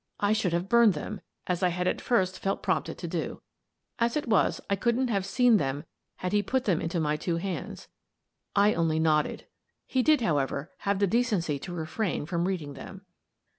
I should have burned them, as I had at first felt prompted to do. As it was, I couldn't have seen them had he put them into my two hands. I only nodded. He did, however, have the decency to refrain from reading them.